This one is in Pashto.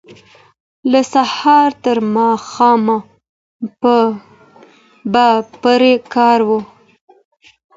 له سهاره ترماښامه به پر کار و